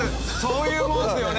そういうもんですよね。